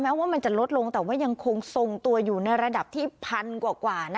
ว่ามันจะลดลงแต่ว่ายังคงทรงตัวอยู่ในระดับที่พันกว่า